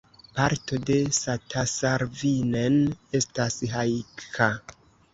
Parto de Satasarvinen estas Haikka.